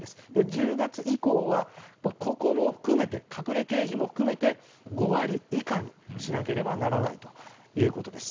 １０月以降はここの隠れ経費も含めて５割以下にしなければならないということです。